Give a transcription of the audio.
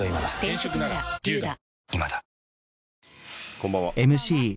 こんばんは。